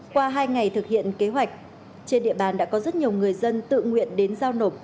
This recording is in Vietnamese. qua hai ngày thực hiện kế hoạch trên địa bàn đã có rất nhiều người dân tự nguyện đến giao nộp